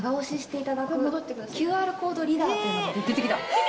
ＱＲコードリーダーというのが。出てきた！